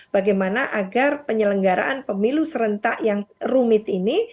bagaimana agar penyelenggaraan pemilu serentak yang rumit ini